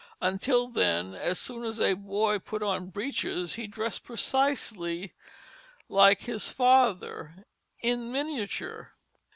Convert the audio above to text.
Until then, as soon as a boy put on breeches he dressed precisely like his father in miniature.